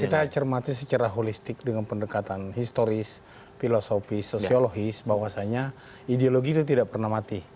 kita cermati secara holistik dengan pendekatan historis filosofi sosiologis bahwasanya ideologi itu tidak pernah mati